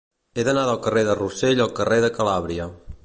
He d'anar del carrer de Rossell al carrer de Calàbria.